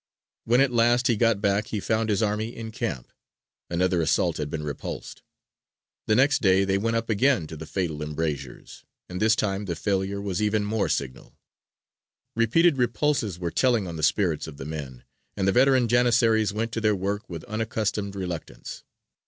When at last he got back, he found his army in camp; another assault had been repulsed. The next day they went up again to the fatal embrasures, and this time the failure was even more signal; repeated repulses were telling on the spirits of the men, and the veteran Janissaries went to their work with unaccustomed reluctance.